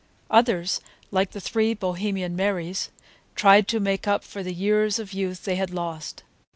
Others, like the three Bohemian Marys, tried to make up for the years of youth they had lost.